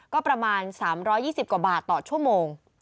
ก็ประมาณ๓๒๐กว่าบาทต่อชั่วโมง